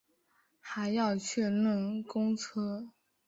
还要确认公车